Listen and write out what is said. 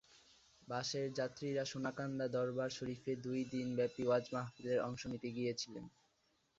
বাসের যাত্রীরা সোনাকান্দা দরবার শরিফে দুই দিনব্যাপী ওয়াজ মাহফিলে অংশ নিতে গিয়েছিলেন।